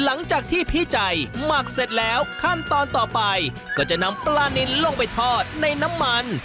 หลังจากที่พี่ใจหมักเสร็จแล้วขั้นตอนต่อไปก็จะนำปลานินลงไปทอดในน้ำมัน